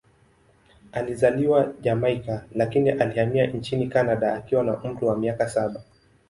Alizaliwa Jamaika, lakini alihamia nchini Kanada akiwa na umri wa miaka saba.